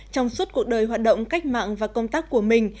trong suốt cuộc đời hoạt động cách mạng và công tác của mình